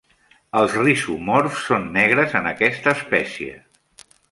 Els rizomorfs són negres en aquesta espècie.